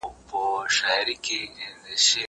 که وخت وي، سبا ته فکر کوم!.